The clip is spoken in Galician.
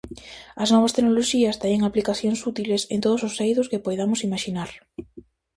As novas tecnoloxías teñen aplicacións útiles en todos os eidos que poidamos imaxinar.